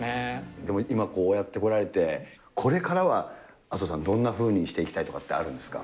でも今、こうやってこられて、これからは麻生さん、どんなふうにしていきたいとかってあるんですか。